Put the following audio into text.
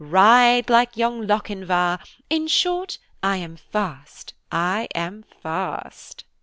ride like young Lochinvar! In short, I am fast! I am fast!"